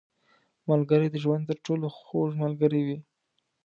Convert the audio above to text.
• ملګری د ژوند تر ټولو خوږ ملګری وي.